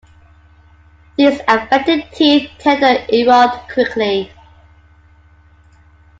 These affected teeth tend to erode quickly.